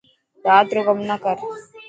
رات رو ڪم نه ڪر.